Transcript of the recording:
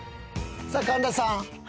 さあ神田さん。